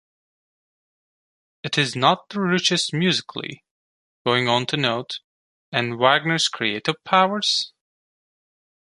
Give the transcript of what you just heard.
It is not the richest musically," going on to note "And Wagner's creative powers?